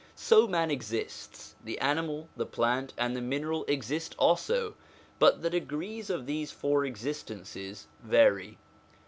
So man exists, the animal, the plant, and the mineral exist also but the degrees of these four existences vary.